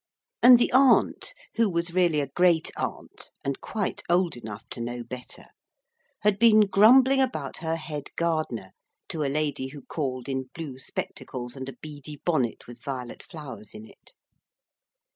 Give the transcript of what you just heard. And the aunt, who was really a great aunt and quite old enough to know better, had been grumbling about her head gardener to a lady who called in blue spectacles and a beady bonnet with violet flowers in it.